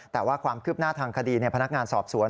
แต่ว่าความคืบหน้าทางคดีพนักงานสอบสวน